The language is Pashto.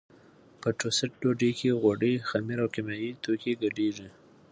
په ټوسټ ډوډۍ کې غوړي، خمیر او کیمیاوي توکي ګډېږي.